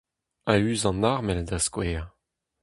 A-us an armel, da skouer.